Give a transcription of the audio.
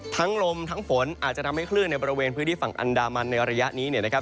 ลมทั้งฝนอาจจะทำให้คลื่นในบริเวณพื้นที่ฝั่งอันดามันในระยะนี้เนี่ยนะครับ